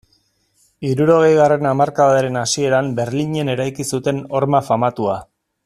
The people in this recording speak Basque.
Hirurogeigarren hamarkadaren hasieran Berlinen eraiki zuten horma famatua.